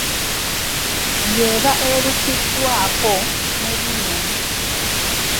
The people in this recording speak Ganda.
Y’eba erukiddwako n’ebibo.